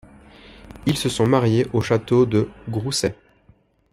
Ils se sont mariés au château de Groussay.